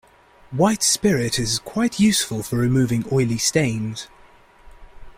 White spirit is quite useful for removing oily stains